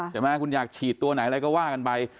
ใช่ไหมคุณอยากฉีดตัวไหนอะไรก็ว่ากันไป